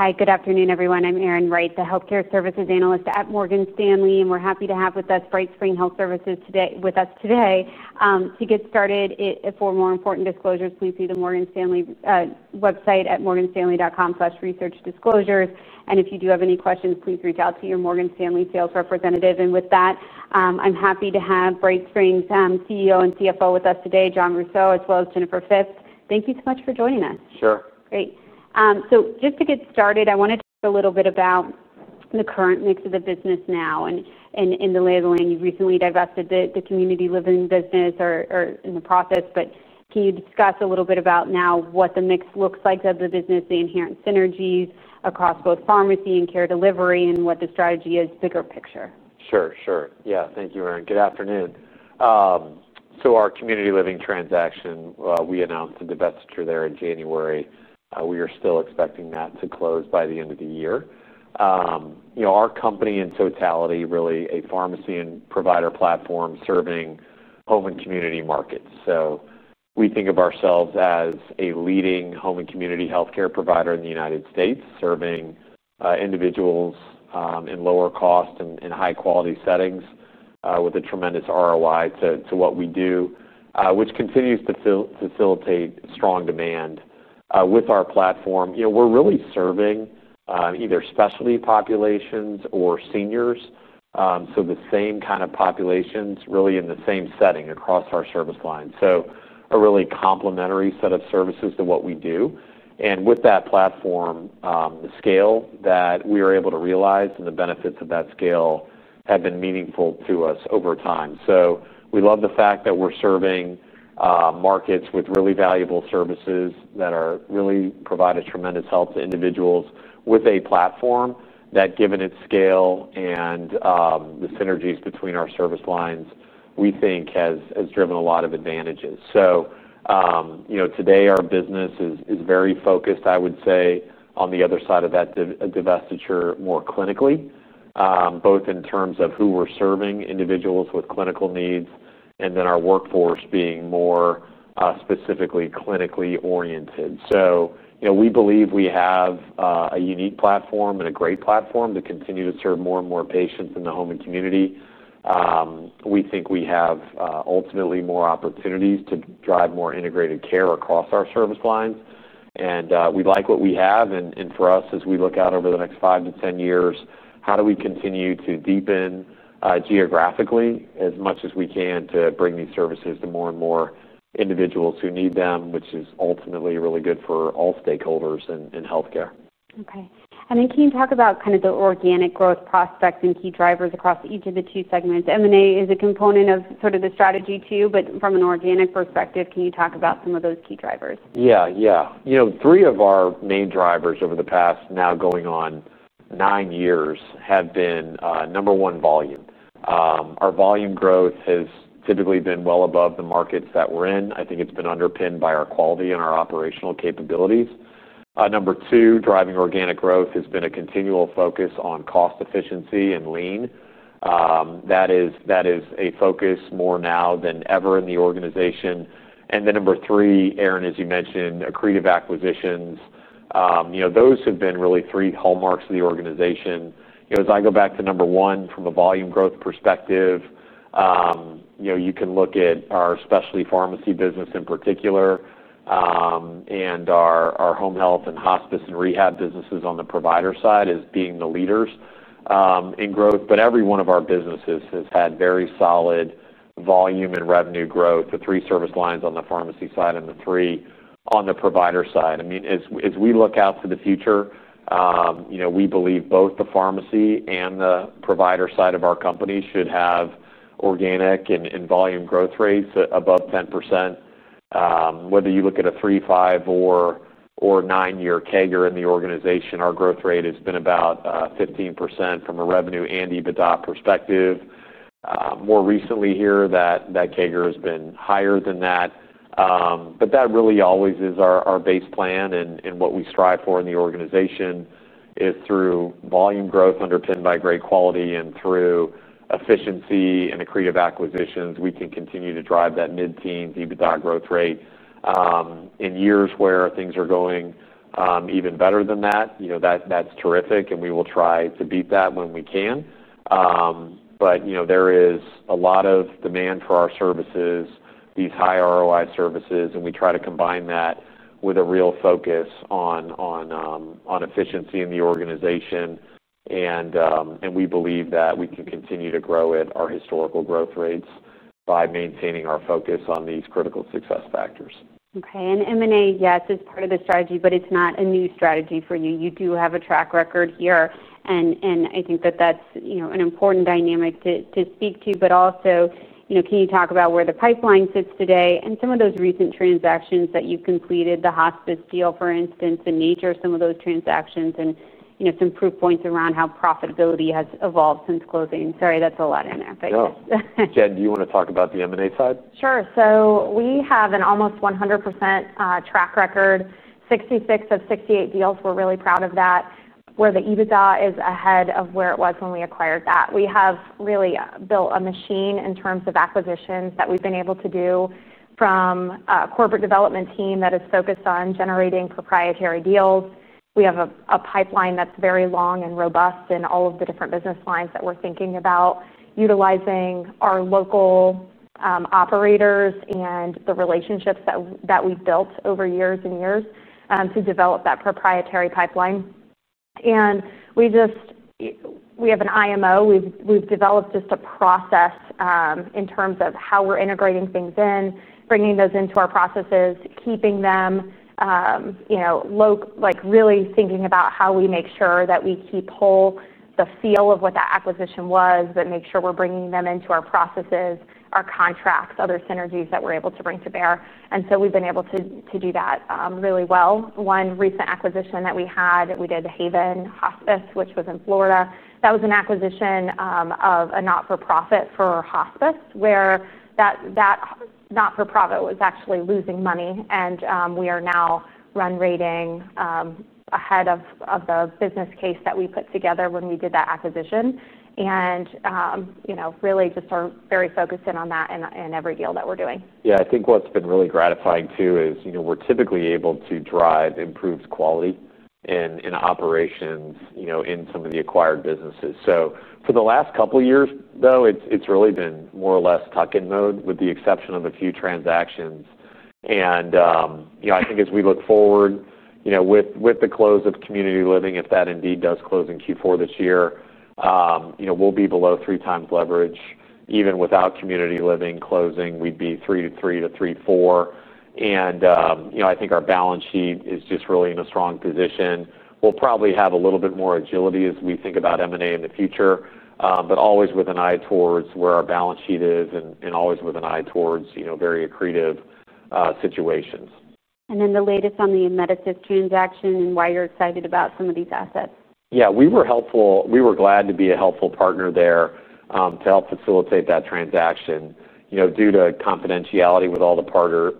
Hi, good afternoon, everyone. I'm Erin Wright, the Healthcare Services Analyst at Morgan Stanley. We're happy to have with us BrightSpring Health Services today. To get started, for more important disclosures, please see the Morgan Stanley website at morganstanley.com/researchdisclosures. If you do have any questions, please reach out to your Morgan Stanley sales representative. With that, I'm happy to have BrightSpring's CEO and CFO with us today, Jon Rousseau, as well as Jennifer Phipps. Thank you so much for joining us. Sure. Great. Just to get started, I wanted to talk a little bit about the current mix of the business now and in the land. You recently divested the community living business or are in the process. Can you discuss a little bit about now what the mix looks like of the business, the inherent synergies across both pharmacy and care delivery, and what the strategy is bigger picture? Sure, sure. Yeah, thank you, Erin. Good afternoon. Our community living transaction, we announced the divestiture there in January. We are still expecting that to close by the end of the year. Our company in totality is really a pharmacy and provider platform serving home and community markets. We think of ourselves as a leading home and community healthcare provider in the United States, serving individuals in lower cost and high-quality settings, with a tremendous ROI to what we do, which continues to facilitate strong demand. With our platform, we're really serving either specialty populations or seniors, the same kind of populations really in the same setting across our service line. It is a really complementary set of services to what we do. With that platform, the scale that we are able to realize and the benefits of that scale have been meaningful to us over time. We love the fact that we're serving markets with really valuable services that really provide a tremendous help to individuals with a platform that, given its scale and the synergies between our service lines, we think has driven a lot of advantages. Today, our business is very focused, I would say, on the other side of that divestiture more clinically, both in terms of who we're serving, individuals with clinical needs, and then our workforce being more specifically clinically oriented. We believe we have a unique platform and a great platform to continue to serve more and more patients in the home and community. We think we have ultimately more opportunities to drive more integrated care across our service lines. We like what we have. For us, as we look out over the next 5 to 10 years, how do we continue to deepen geographically as much as we can to bring these services to more and more individuals who need them, which is ultimately really good for all stakeholders in healthcare? Okay. Can you talk about kind of the organic growth prospects and key drivers across each of the two segments? M&A is a component of sort of the strategy too, but from an organic perspective, can you talk about some of those key drivers? Yeah, yeah. Three of our main drivers over the past now going on nine years have been, number one, volume. Our volume growth has typically been well above the markets that we're in. I think it's been underpinned by our quality and our operational capabilities. Number two, driving organic growth has been a continual focus on cost efficiency and lean. That is a focus more now than ever in the organization. Number three, Erin, as you mentioned, accretive acquisitions. Those have been really three hallmarks of the organization. As I go back to number one from a volume growth perspective, you can look at our specialty pharmacy business in particular, and our home health and hospice and rehab businesses on the provider side as being the leaders in growth. Every one of our businesses has had very solid volume and revenue growth, the three service lines on the pharmacy side and the three on the provider side. As we look out to the future, we believe both the pharmacy and the provider side of our company should have organic and volume growth rates above 10%. Whether you look at a three, five, or nine-year CAGR in the organization, our growth rate has been about 15% from a revenue and EBITDA perspective. More recently here, that CAGR has been higher than that. That really always is our base plan and what we strive for in the organization is through volume growth underpinned by great quality and through efficiency and accretive acquisitions, we can continue to drive that mid-teens EBITDA growth rate. In years where things are going even better than that, that's terrific. We will try to beat that when we can. There is a lot of demand for our services, these high ROI services, and we try to combine that with a real focus on efficiency in the organization. We believe that we can continue to grow at our historical growth rates by maintaining our focus on these critical success factors. Okay. M&A is part of the strategy, but it's not a new strategy for you. You do have a track record here. I think that that's an important dynamic to speak to. Also, can you talk about where the pipeline sits today and some of those recent transactions that you've completed, the hospice deal, for instance, and nature of some of those transactions and some proof points around how profitability has evolved since closing? Sorry, that's a lot in there, but yeah. No, Jen, do you want to talk about the M&A side? Sure. We have an almost 100% track record, 66 of 68 deals. We're really proud of that, where the EBITDA is ahead of where it was when we acquired that. We have really built a machine in terms of acquisitions that we've been able to do from a corporate development team that is focused on generating proprietary deals. We have a pipeline that's very long and robust in all of the different business lines that we're thinking about, utilizing our local operators and the relationships that we've built over years and years to develop that proprietary pipeline. We have an IMO. We've developed just a process in terms of how we're integrating things in, bringing those into our processes, keeping them, you know, like really thinking about how we make sure that we keep whole the feel of what that acquisition was, but make sure we're bringing them into our processes, our contracts, other synergies that we're able to bring to bear. We've been able to do that really well. One recent acquisition that we had, we did Haven Hospice, which was in Florida. That was an acquisition of a not-for-profit for hospice, where that not-for-profit was actually losing money. We are now run rating ahead of the business case that we put together when we did that acquisition. We really just are very focused in on that in every deal that we're doing. Yeah, I think what's been really gratifying too is, you know, we're typically able to drive improved quality in operations, you know, in some of the acquired businesses. For the last couple of years, though, it's really been more or less tuck-in mode with the exception of a few transactions. I think as we look forward, you know, with the close of community living, if that indeed does close in Q4 this year, we'll be below 3x leverage. Even without community living closing, we'd be 3x to 4x. I think our balance sheet is just really in a strong position. We'll probably have a little bit more agility as we think about M&A in the future, but always with an eye towards where our balance sheet is and always with an eye towards, you know, very accretive situations. What is the latest on the Emeritus transaction and why you're excited about some of these assets? Yeah, we were glad to be a helpful partner there, to help facilitate that transaction. Due to confidentiality with all the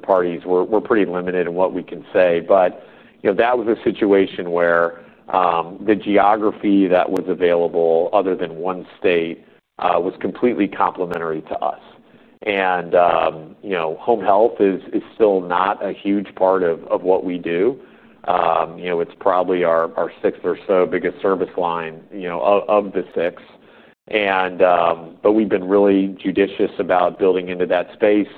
parties, we're pretty limited in what we can say. That was a situation where the geography that was available, other than one state, was completely complementary to us. Home health is still not a huge part of what we do. It's probably our sixth or so biggest service line, of the six. We've been really judicious about building into that space.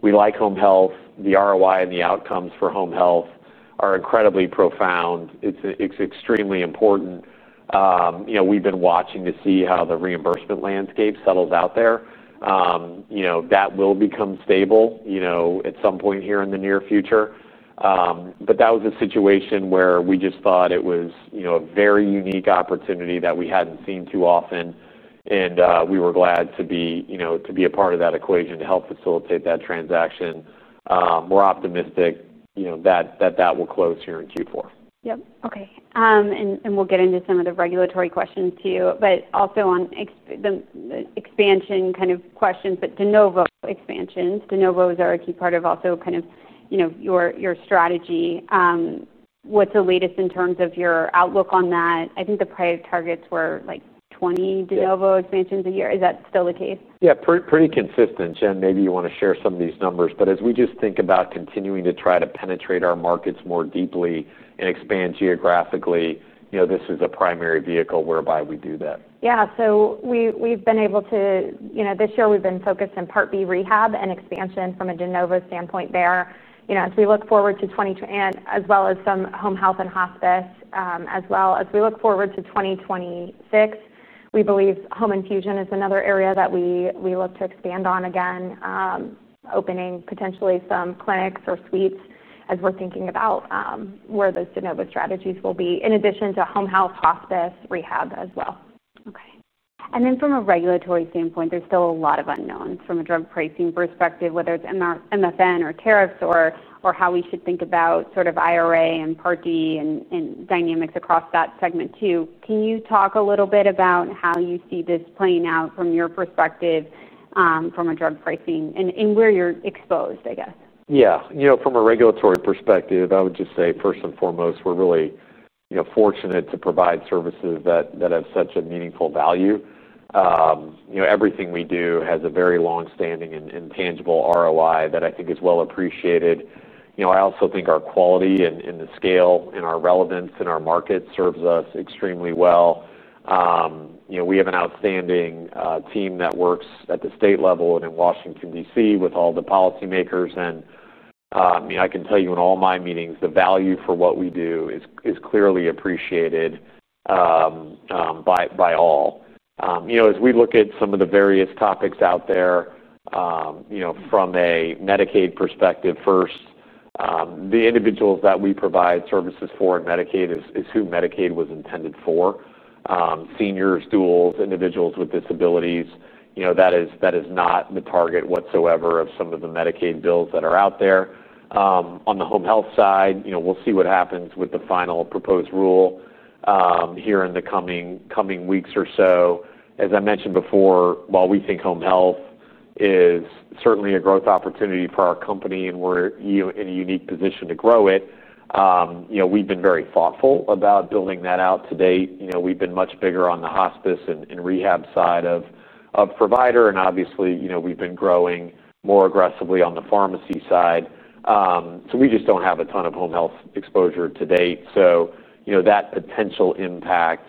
We like home health. The ROI and the outcomes for home health are incredibly profound. It's extremely important. We've been watching to see how the reimbursement landscape settles out there. That will become stable at some point here in the near future. That was a situation where we just thought it was a very unique opportunity that we hadn't seen too often. We were glad to be a part of that equation to help facilitate that transaction. We're optimistic that that will close here in Q4. Okay. We'll get into some of the regulatory questions too, but also on the expansion kind of questions, de novo expansions. De novos are a key part of also kind of, you know, your strategy. What's the latest in terms of your outlook on that? I think the private targets were like 20 de novo expansions a year. Is that still the case? Yeah, pretty consistent. Jen, maybe you want to share some of these numbers. As we just think about continuing to try to penetrate our markets more deeply and expand geographically, you know, this is a primary vehicle whereby we do that. Yeah. We've been able to, this year we've been focused in Part B rehab and expansion from a de novo standpoint there. As we look forward to 2020, as well as some home health and hospice, as well as we look forward to 2026, we believe home infusion is another area that we look to expand on again, opening potentially some clinics or suites as we're thinking about where those de novo strategies will be in addition to home health, hospice, rehab as well. Okay. From a regulatory standpoint, there's still a lot of unknowns from a drug pricing perspective, whether it's MFN or tariffs or how we should think about IRA and Part D and dynamics across that segment too. Can you talk a little bit about how you see this playing out from your perspective, from a drug pricing and where you're exposed, I guess? Yeah. From a regulatory perspective, I would just say first and foremost, we're really fortunate to provide services that have such a meaningful value. Everything we do has a very long-standing and tangible ROI that I think is well appreciated. I also think our quality and the scale and our relevance in our market serves us extremely well. We have an outstanding team that works at the state level and in Washington, D.C., with all the policymakers. I can tell you in all my meetings, the value for what we do is clearly appreciated by all. As we look at some of the various topics out there, from a Medicaid perspective first, the individuals that we provide services for in Medicaid is who Medicaid was intended for: seniors, duals, individuals with disabilities. That is not the target whatsoever of some of the Medicaid bills that are out there. On the home health care side, we'll see what happens with the final proposed rule here in the coming weeks or so. As I mentioned before, while we think home health care is certainly a growth opportunity for our company and we're in a unique position to grow it, we've been very thoughtful about building that out to date. We've been much bigger on the hospice and rehab side of provider. Obviously, we've been growing more aggressively on the pharmacy side, so we just don't have a ton of home health care exposure to date. That potential impact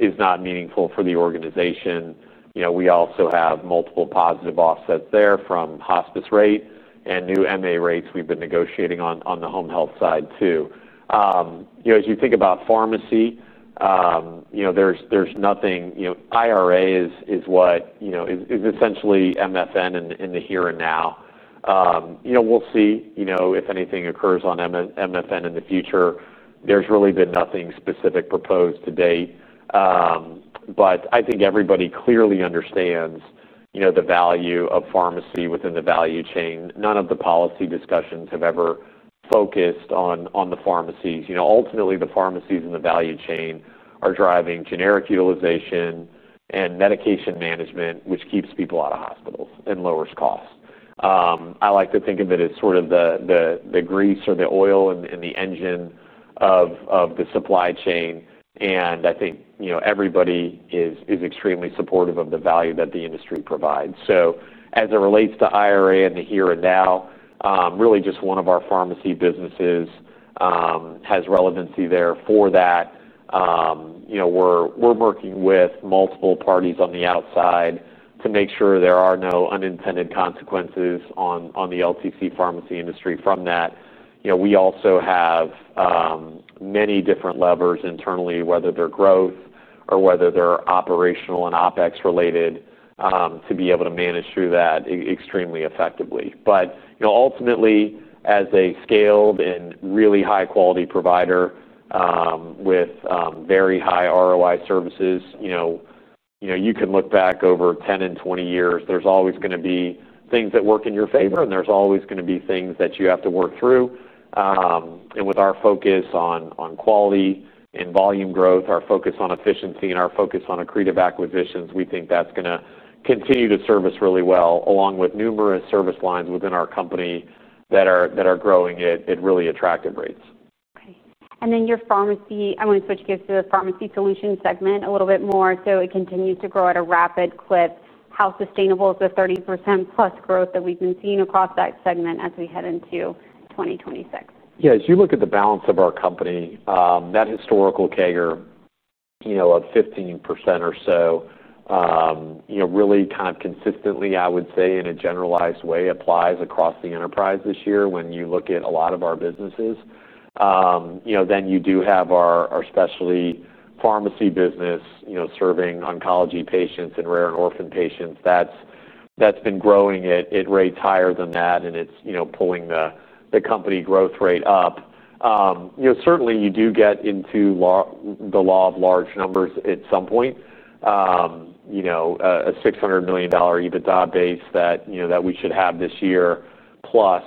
is not meaningful for the organization. We also have multiple positive offsets there from hospice rate and new MA rates we've been negotiating on the home health care side too. As you think about pharmacy, there's nothing—IRA is what is essentially MFN in the here and now. We'll see if anything occurs on MFN in the future. There's really been nothing specific proposed to date, but I think everybody clearly understands the value of pharmacy within the value chain. None of the policy discussions have ever focused on the pharmacies. Ultimately, the pharmacies in the value chain are driving generic utilization and medication management, which keeps people out of hospitals and lowers costs. I like to think of it as sort of the grease or the oil in the engine of the supply chain. I think everybody is extremely supportive of the value that the industry provides. As it relates to IRA and the here and now, really just one of our pharmacy businesses has relevancy there for that. We're working with multiple parties on the outside to make sure there are no unintended consequences on the LTC pharmacy industry from that. We also have many different levers internally, whether they're growth or whether they're operational and OpEx related, to be able to manage through that extremely effectively. Ultimately, as a scaled and really high-quality provider with very high ROI services, you can look back over 10 and 20 years. There's always going to be things that work in your favor, and there's always going to be things that you have to work through. With our focus on quality and volume growth, our focus on efficiency, and our focus on accretive acquisitions, we think that's going to continue to serve us really well, along with numerous service lines within our company that are growing at really attractive rates. Okay. Your pharmacy, I want to switch gears to the pharmacy solution segment a little bit more. It continues to grow at a rapid clip. How sustainable is the 30%+ growth that we've been seeing across that segment as we head into 2026? Yeah. As you look at the balance of our company, that historical CAGR of 15% or so really kind of consistently, I would say, in a generalized way applies across the enterprise this year when you look at a lot of our businesses. You know, then you do have our specialty pharmacy business serving oncology patients and rare and orphan patients. That's been growing at rates higher than that, and it's pulling the company growth rate up. Certainly, you do get into the law of large numbers at some point. You know, a $600 million EBITDA base that we should have this year, plus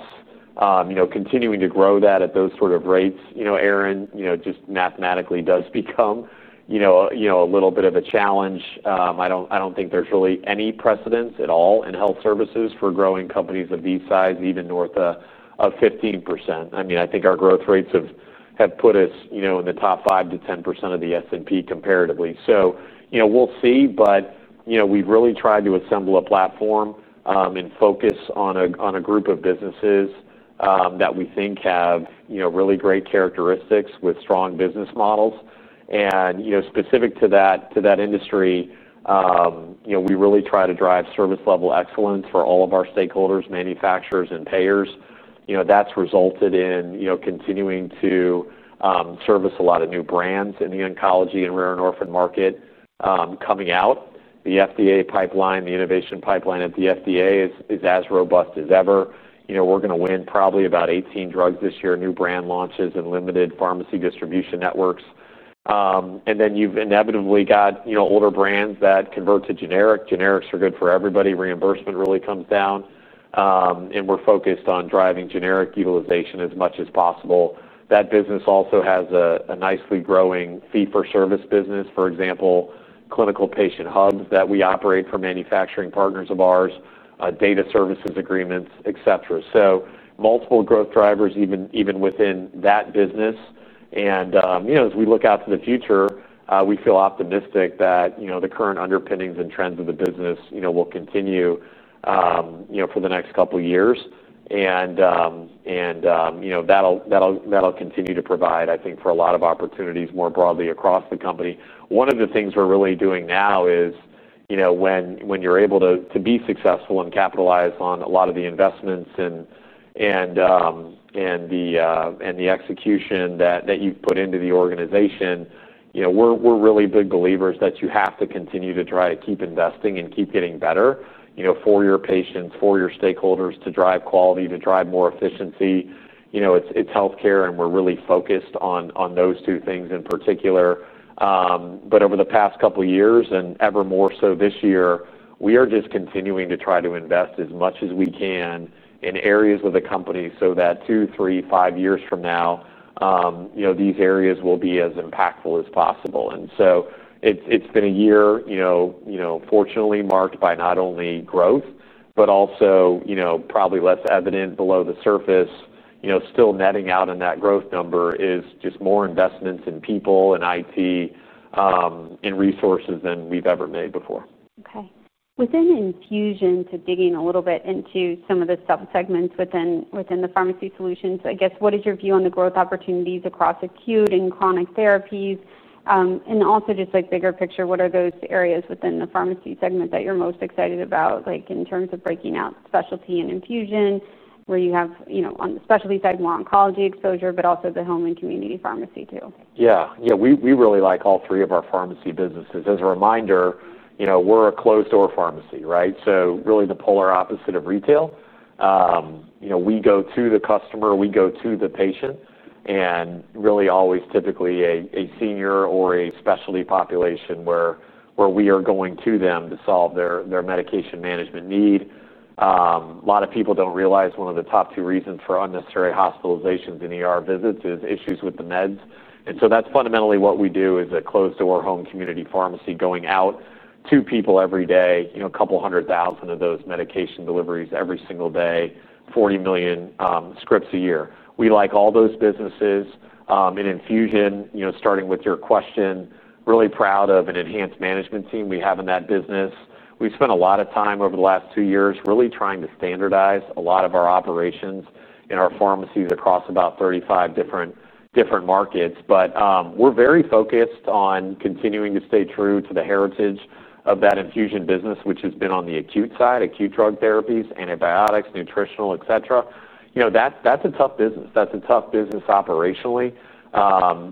continuing to grow that at those sort of rates, you know, Erin, just mathematically does become a little bit of a challenge. I don't think there's really any precedence at all in health services for growing companies of these sizes, even north of 15%. I mean, I think our growth rates have put us in the top 5% to 10% of the S&P comparatively. We'll see, but we've really tried to assemble a platform and focus on a group of businesses that we think have really great characteristics with strong business models. Specific to that industry, we really try to drive service-level excellence for all of our stakeholders, manufacturers, and payers. That's resulted in continuing to service a lot of new brands in the oncology and rare and orphan market coming out. The FDA pipeline, the innovation pipeline at the FDA is as robust as ever. We're going to win probably about 18 drugs this year, new brand launches, and limited pharmacy distribution networks. Then you've inevitably got older brands that convert to generic. Generics are good for everybody. Reimbursement really comes down, and we're focused on driving generic utilization as much as possible. That business also has a nicely growing fee-for-service business, for example, clinical patient hubs that we operate for manufacturing partners of ours, data services agreements, etc. Multiple growth drivers even within that business. As we look out to the future, we feel optimistic that the current underpinnings and trends of the business will continue for the next couple of years. That'll continue to provide, I think, for a lot of opportunities more broadly across the company. One of the things we're really doing now is, when you're able to be successful and capitalize on a lot of the investments and the execution that you've put into the organization, we're really big believers that you have to continue to try to keep investing and keep getting better, for your patients, for your stakeholders to drive quality, to drive more efficiency. It's healthcare, and we're really focused on those two things in particular. Over the past couple of years, and ever more so this year, we are just continuing to try to invest as much as we can in areas of the company so that two, three, five years from now, these areas will be as impactful as possible. It's been a year, fortunately marked by not only growth, but also, probably less evident below the surface, still netting out in that growth number is just more investments in people and IT, and resources than we've ever made before. Okay. Within infusion, digging a little bit into some of the subsegments within the pharmacy solutions, what is your view on the growth opportunities across acute and chronic therapies? Also, bigger picture, what are those areas within the pharmacy segment that you're most excited about, in terms of breaking out specialty and infusion, where you have, on the specialty side, more oncology exposure, but also the home and community pharmacy too? Yeah. You know, we really like all three of our pharmacy businesses. As a reminder, you know, we're a closed-door pharmacy, right? So really the polar opposite of retail. You know, we go to the customer, we go to the patient, and really always typically a senior or a specialty population where we are going to them to solve their medication management need. A lot of people don't realize one of the top two reasons for unnecessary hospitalizations and visits is issues with the meds. That's fundamentally what we do as a closed-door home community pharmacy going out to people every day, a couple hundred thousand of those medication deliveries every single day, 40 million scripts a year. We like all those businesses. In infusion, starting with your question, really proud of an enhanced management team we have in that business. We've spent a lot of time over the last two years really trying to standardize a lot of our operations in our pharmacies across about 35 different markets. We're very focused on continuing to stay true to the heritage of that infusion business, which has been on the acute side, acute drug therapies, antibiotics, nutritional, etc. That's a tough business. That's a tough business operationally.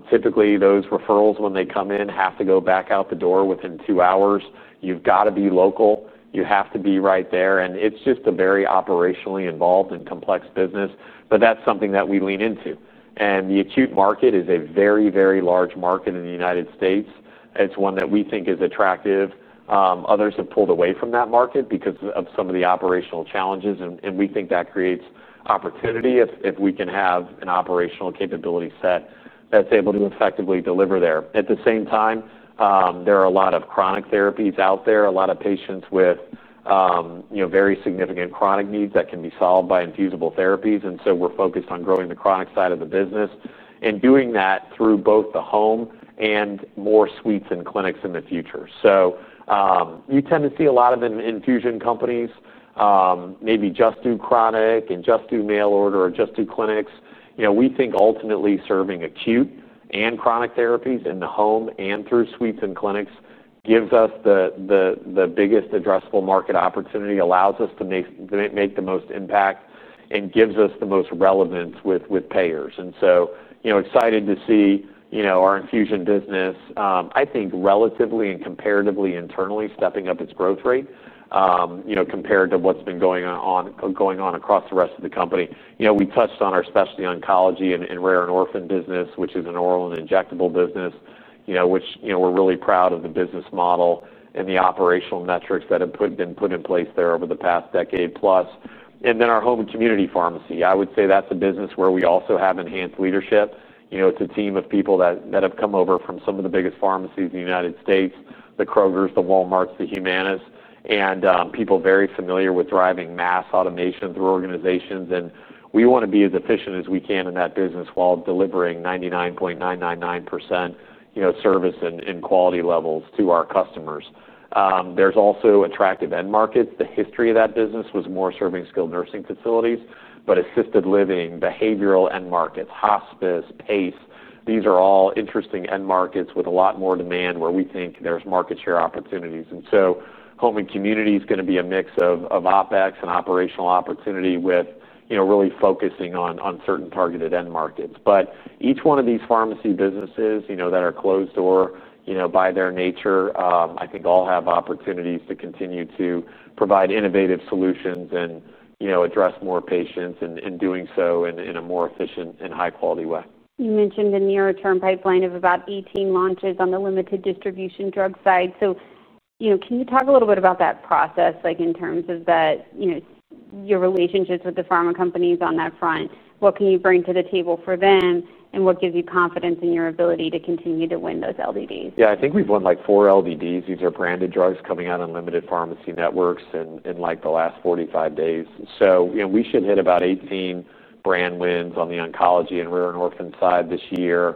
Typically, those referrals, when they come in, have to go back out the door within two hours. You've got to be local. You have to be right there. It's just a very operationally involved and complex business. That's something that we lean into. The acute market is a very, very large market in the United States. It's one that we think is attractive. Others have pulled away from that market because of some of the operational challenges. We think that creates opportunity if we can have an operational capability set that's able to effectively deliver there. At the same time, there are a lot of chronic therapies out there, a lot of patients with very significant chronic needs that can be solved by infusible therapies. We're focused on growing the chronic side of the business and doing that through both the home and more suites and clinics in the future. You tend to see a lot of the infusion companies maybe just do chronic and just do mail order or just do clinics. We think ultimately serving acute and chronic therapies in the home and through suites and clinics gives us the biggest addressable market opportunity, allows us to make the most impact, and gives us the most relevance with payers. Excited to see our infusion business, I think relatively and comparatively internally stepping up its growth rate compared to what's been going on across the rest of the company. We touched on our specialty oncology and rare/orphan business, which is an oral and injectable business, which we're really proud of the business model and the operational metrics that have been put in place there over the past decade plus. Then our home and community pharmacy, I would say that's a business where we also have enhanced leadership. It's a team of people that have come over from some of the biggest pharmacies in the United States, the Krogers, the Walmarts, the Humanas, and people very familiar with driving mass automation through organizations. We want to be as efficient as we can in that business while delivering 99.999% service and quality levels to our customers. There's also attractive end markets. The history of that business was more serving skilled nursing facilities, but assisted living, behavioral end markets, hospice, PACE. These are all interesting end markets with a lot more demand where we think there's market share opportunities. Home and community is going to be a mix of OpEx and operational opportunity with really focusing on certain targeted end markets. Each one of these pharmacy businesses that are closed door by their nature, I think all have opportunities to continue to provide innovative solutions and address more patients in doing so in a more efficient and high-quality way. You mentioned a near-term pipeline of about 18 launches on the limited distribution drug side. Can you talk a little bit about that process, in terms of your relationships with the pharma companies on that front? What can you bring to the table for them, and what gives you confidence in your ability to continue to win those LDDs? Yeah, I think we've won like four LDDs. These are branded drugs coming out in limited pharmacy networks in the last 45 days. We should hit about 18 brand wins on the oncology and rare and orphan side this year,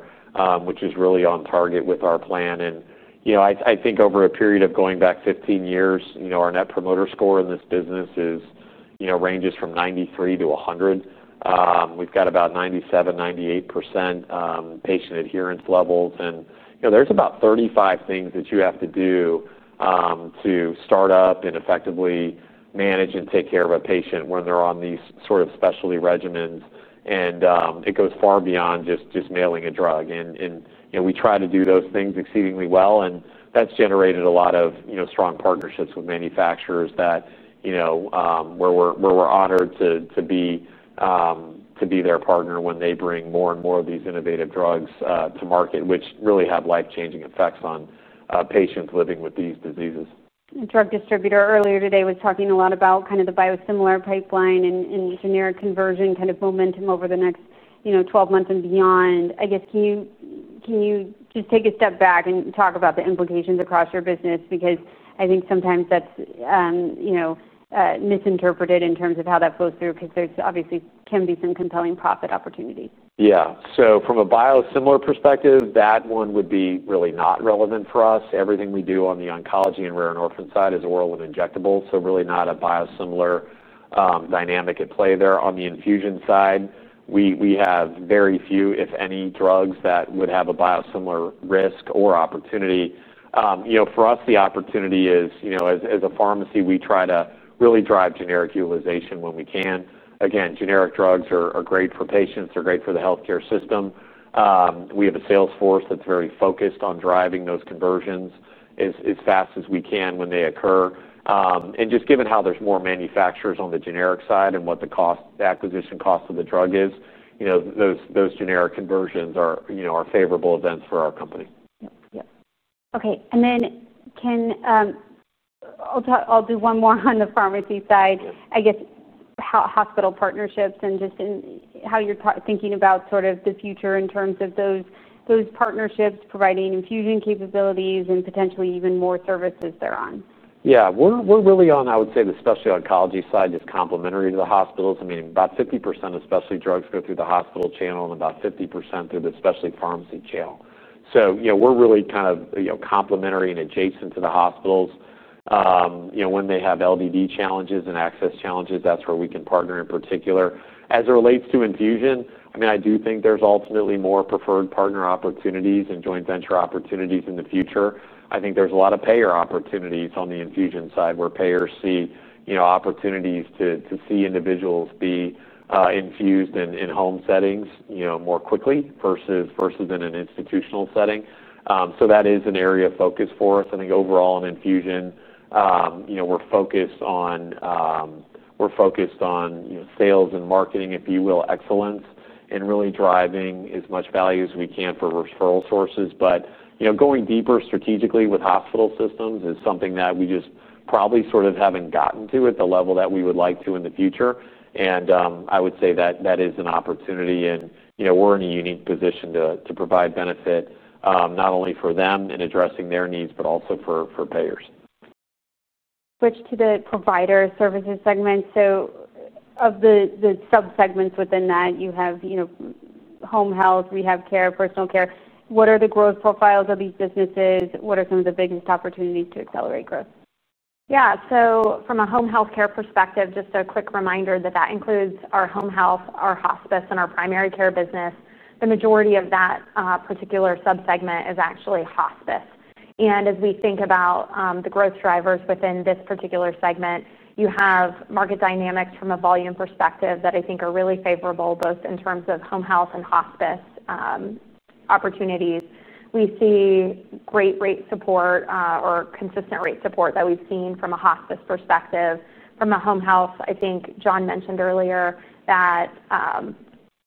which is really on target with our plan. Over a period of going back 15 years, our net promoter score in this business ranges from 93 to 100. We've got about 97, 98% patient adherence levels. There are about 35 things that you have to do to start up and effectively manage and take care of a patient when they're on these sort of specialty regimens. It goes far beyond just mailing a drug. We try to do those things exceedingly well. That's generated a lot of strong partnerships with manufacturers where we're honored to be their partner when they bring more and more of these innovative drugs to market, which really have life-changing effects on patients living with these diseases. A drug distributor earlier today was talking a lot about the biosimilar pipeline and generic conversion momentum over the next 12 months and beyond. I guess, can you just take a step back and talk about the implications across your business? I think sometimes that's misinterpreted in terms of how that flows through because there obviously can be some compelling profit opportunities. Yeah. From a biosimilar perspective, that one would be really not relevant for us. Everything we do on the oncology and rare and orphan side is oral and injectable. Really not a biosimilar dynamic at play there. On the infusion side, we have very few, if any, drugs that would have a biosimilar risk or opportunity. For us, the opportunity is, as a pharmacy, we try to really drive generic utilization when we can. Generic drugs are great for patients. They're great for the healthcare system. We have a sales force that's very focused on driving those conversions as fast as we can when they occur. Just given how there's more manufacturers on the generic side and what the acquisition cost of the drug is, those generic conversions are favorable events for our company. Okay. I'll do one more on the pharmacy side. I guess, how hospital partnerships and just in how you're thinking about sort of the future in terms of those partnerships providing infusion capabilities and potentially even more services thereon. Yeah. We're really on, I would say, the specialty oncology side is complementary to the hospitals. I mean, about 50% of specialty drugs go through the hospital channel and about 50% through the specialty pharmacy channel. We're really kind of complementary and adjacent to the hospitals. When they have LDD challenges and access challenges, that's where we can partner in particular. As it relates to infusion, I do think there's ultimately more preferred partner opportunities and joint venture opportunities in the future. I think there's a lot of payer opportunities on the infusion side where payers see opportunities to see individuals be infused in home settings more quickly versus in an institutional setting. That is an area of focus for us. I think overall in infusion, we're focused on sales and marketing, if you will, excellence, and really driving as much value as we can for referral sources. Going deeper strategically with hospital systems is something that we just probably sort of haven't gotten to at the level that we would like to in the future. I would say that that is an opportunity. We're in a unique position to provide benefit, not only for them in addressing their needs, but also for payers. Switch to the provider services segment. Of the subsegments within that, you have, you know, home health, rehab care, personal care. What are the growth profiles of these businesses? What are some of the biggest opportunities to accelerate growth? Yeah. From a home health care perspective, just a quick reminder that that includes our home health, our hospice, and our primary care business. The majority of that particular subsegment is actually hospice. As we think about the growth drivers within this particular segment, you have market dynamics from a volume perspective that I think are really favorable both in terms of home health and hospice opportunities. We see great rate support, or consistent rate support that we've seen from a hospice perspective. From a home health, I think Jon mentioned earlier that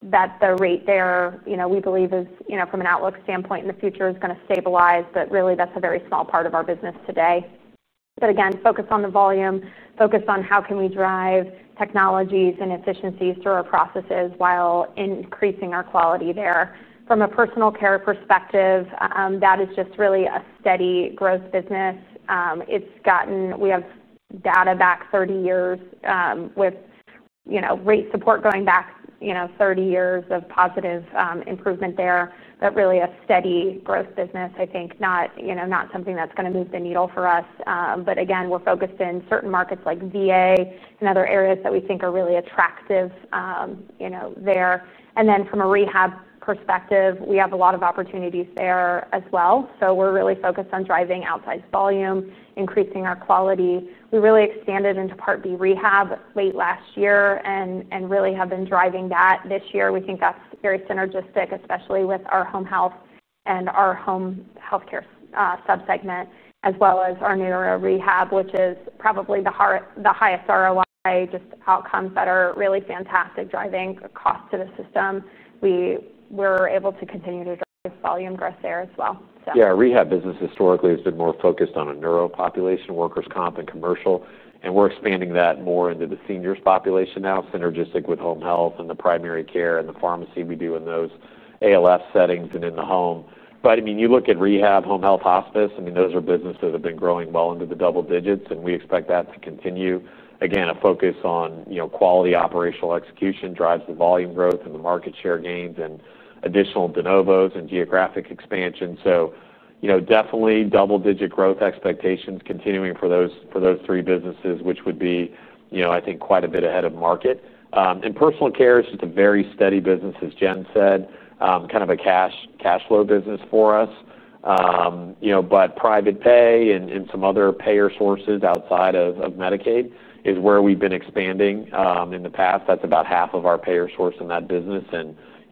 the rate there, you know, we believe is, you know, from an outlook standpoint in the future is going to stabilize, but really, that's a very small part of our business today. Again, focused on the volume, focused on how can we drive technologies and efficiencies through our processes while increasing our quality there. From a personal care perspective, that is just really a steady growth business. It's gotten, we have data back 30 years, with, you know, rate support going back, you know, 30 years of positive improvement there. Really, a steady growth business, I think, not, you know, not something that's going to move the needle for us. Again, we're focused in certain markets like VA and other areas that we think are really attractive, you know, there. From a rehab perspective, we have a lot of opportunities there as well. We're really focused on driving outside volume, increasing our quality. We really expanded into Part B rehab late last year and really have been driving that this year. We think that's very synergistic, especially with our home health and our home health care subsegment, as well as our neuro rehab, which is probably the highest ROI, just outcomes that are really fantastic, driving costs to the system. We were able to continue to drive volume growth there as well. Yeah, rehab business historically has been more focused on a neuro population, workers' comp, and commercial. We're expanding that more into the seniors' population now, synergistic with home health and the primary care and the pharmacy we do in those ALF settings and in the home. I mean, you look at rehab, home health, hospice, those are businesses that have been growing well into the double digits. We expect that to continue. Again, a focus on quality operational execution drives the volume growth and the market share gains and additional de novos and geographic expansion. Definitely double-digit growth expectations continuing for those three businesses, which would be, I think, quite a bit ahead of market. Personal care is just a very steady business, as Jen said, kind of a cash flow business for us. Private pay and some other payer sources outside of Medicaid is where we've been expanding in the past. That's about half of our payer source in that business.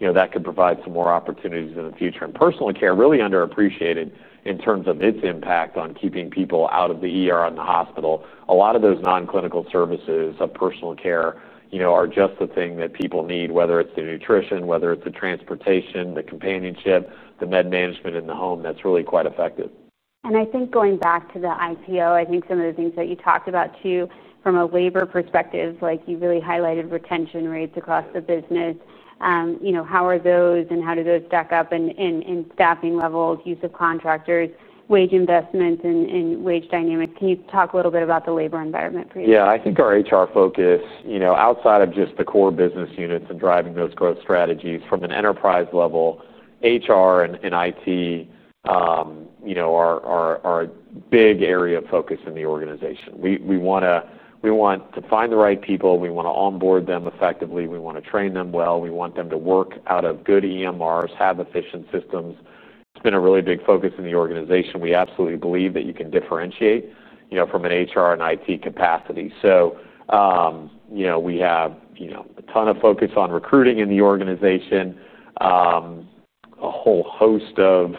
That could provide some more opportunities in the future. Personal care is really underappreciated in terms of its impact on keeping people out of the hospital. A lot of those non-clinical services of personal care are just the thing that people need, whether it's the nutrition, whether it's the transportation, the companionship, the med management in the home, that's really quite effective. I think going back to the IPO, I think some of the things that you talked about too, from a labor perspective, you really highlighted retention rates across the business. How are those and how do those stack up in staffing levels, use of contractors, wage investments, and wage dynamics? Can you talk a little bit about the labor environment for you? Yeah, I think our HR focus, outside of just the core business units and driving those growth strategies from an enterprise level, HR and IT are a big area of focus in the organization. We want to find the right people. We want to onboard them effectively. We want to train them well. We want them to work out of good EMRs, have efficient systems. It's been a really big focus in the organization. We absolutely believe that you can differentiate from an HR and IT capacity. We have a ton of focus on recruiting in the organization, a whole host of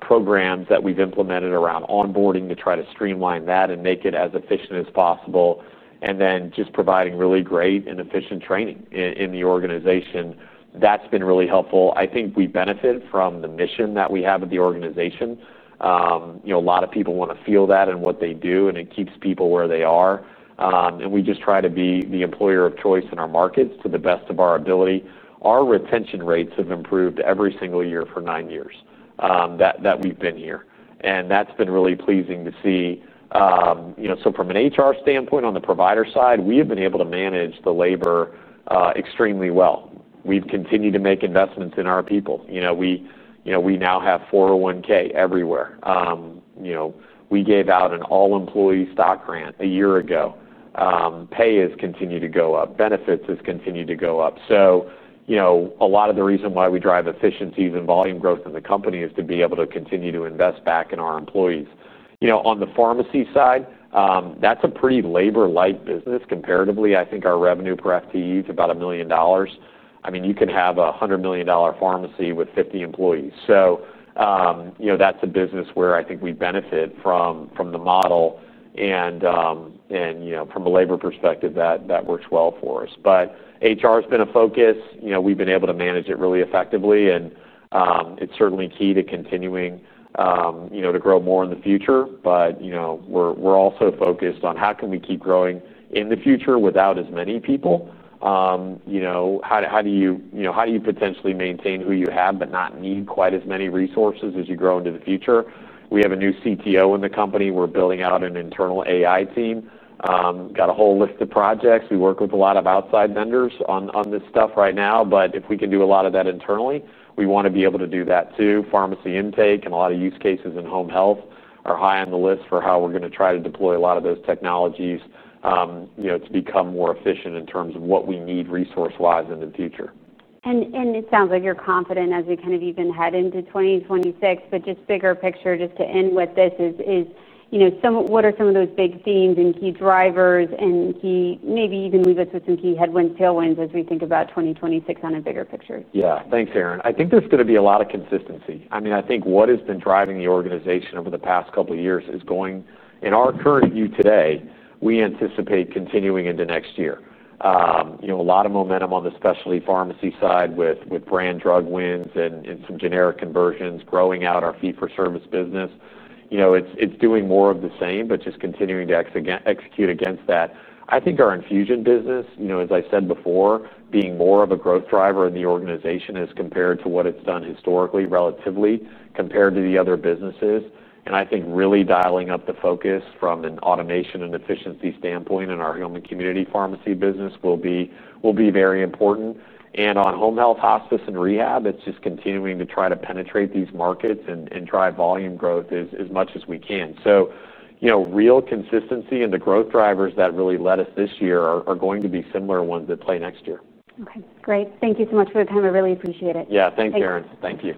programs that we've implemented around onboarding to try to streamline that and make it as efficient as possible, and then just providing really great and efficient training in the organization. That's been really helpful. I think we benefit from the mission that we have at the organization. A lot of people want to feel that in what they do, and it keeps people where they are. We just try to be the employer of choice in our markets to the best of our ability. Our retention rates have improved every single year for nine years that we've been here, and that's been really pleasing to see. From an HR standpoint on the provider side, we have been able to manage the labor extremely well. We've continued to make investments in our people. We now have 401(k) everywhere. We gave out an all-employee stock grant a year ago. Pay has continued to go up. Benefits have continued to go up. A lot of the reason why we drive efficiencies and volume growth in the company is to be able to continue to invest back in our employees. On the pharmacy side, that's a pretty labor-light business. Comparatively, I think our revenue per FTE is about $1 million. I mean, you can have a $100 million pharmacy with 50 employees. That's a business where I think we benefit from the model, and from a labor perspective, that works well for us. HR has been a focus. We've been able to manage it really effectively, and it's certainly key to continuing to grow more in the future. We're also focused on how can we keep growing in the future without as many people? How do you potentially maintain who you have but not need quite as many resources as you grow into the future? We have a new CTO in the company. We're building out an internal AI team, got a whole list of projects. We work with a lot of outside vendors on this stuff right now. If we can do a lot of that internally, we want to be able to do that too. Pharmacy intake and a lot of use cases in home health are high on the list for how we're going to try to deploy a lot of those technologies to become more efficient in terms of what we need resource-wise in the future. It sounds like you're confident as we kind of even head into 2026. Just bigger picture, just to end with this, what are some of those big themes and key drivers and key, maybe even leave us with some key headwinds, tailwinds as we think about 2026 on a bigger picture? Yeah. Thanks, Erin. I think there's going to be a lot of consistency. I mean, I think what has been driving the organization over the past couple of years is going in our current view today, we anticipate continuing into next year. A lot of momentum on the specialty pharmacy side with brand drug wins and some generic conversions growing out our fee-for-service business. It's doing more of the same, but just continuing to execute against that. I think our infusion business, as I said before, being more of a growth driver in the organization as compared to what it's done historically relatively compared to the other businesses. I think really dialing up the focus from an automation and efficiency standpoint in our home and community pharmacy business will be very important. On home health, hospice, and rehab, it's just continuing to try to penetrate these markets and drive volume growth as much as we can. Real consistency and the growth drivers that really led us this year are going to be similar ones that play next year. Okay. Great. Thank you so much for the time. I really appreciate it. Yeah, thanks, Erin. Thank you.